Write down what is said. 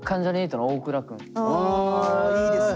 あいいですね。